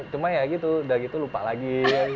cuma ya gitu udah gitu lupa lagi